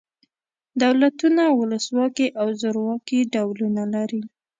دولتونه ولس واکي او زورواکي ډولونه لري.